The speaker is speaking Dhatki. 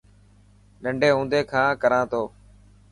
ننڊي هوندي کان ڪران تو.